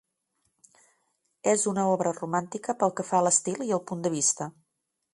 És una obra romàntica pel que fa a l'estil i el punt de vista.